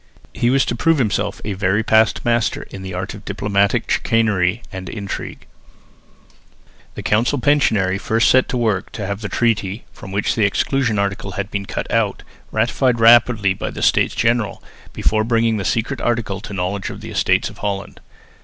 He was to prove himself a very past master in the art of diplomatic chicanery and intrigue. The council pensionary first set to work to have the treaty, from which the exclusion article had been cut out, ratified rapidly by the States General, before bringing the secret article to the knowledge of the Estates of Holland.